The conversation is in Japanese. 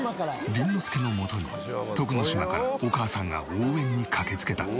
倫之亮の元に徳之島からお母さんが応援に駆けつけた。